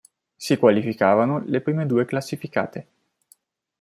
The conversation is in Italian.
Si qualificavano le prime due classificate.